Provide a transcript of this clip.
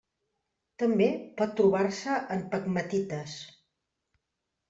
També pot trobar-se en pegmatites.